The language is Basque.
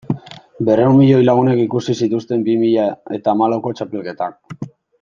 Berrehun milioi lagunek ikusi zituzten bi mila eta hamalauko txapelketak.